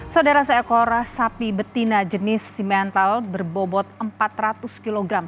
saudara seekor sapi betina jenis simental berbobot empat ratus kg